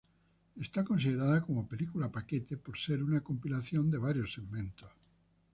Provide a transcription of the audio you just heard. Es considerada como "película-paquete" por ser una compilación de varios segmentos.